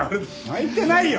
泣いてないよ！